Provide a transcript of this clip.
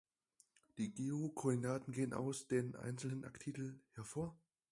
Die Geo-Koordinaten gehen aus den einzelnen Artikeln hervor.